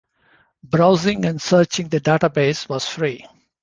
Browsing and searching the database was free.